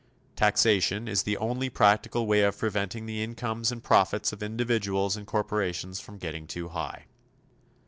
Taxation is the only practical way of preventing the incomes and profits of individuals and corporations from getting too high.